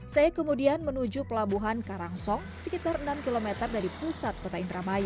saya kemudian menuju pelabuhan karangsong sekitar enam km dari pusat kota indramayu